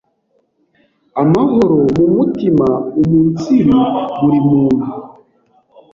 amahoro mu mutima umunsiri buri muntu